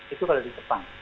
itu kalau di jepang